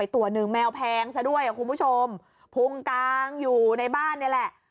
ตัวหนึ่งแมวแพงซะด้วยคุณผู้ชมพุงกางอยู่ในบ้านนี่แหละ